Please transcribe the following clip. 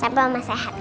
sampai oma sehat